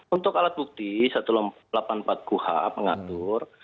untuk alat bukti satu ratus delapan puluh empat kuh pengatur